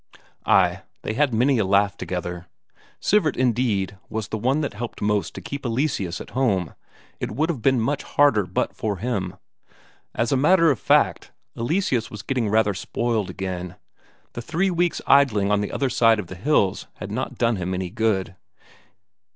Ay, they had many a laugh together. Sivert, indeed, was the one that helped most to keep Eleseus at home; it would have been much harder but for him. As a matter of fact, Eleseus was getting rather spoiled again; the three weeks' idling on the other side of the hills had not done him any good.